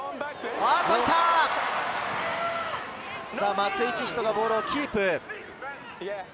松井千士がボールをキープ。